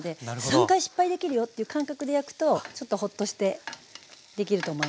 ３回失敗できるよっていう感覚で焼くとちょっとホッとしてできると思います。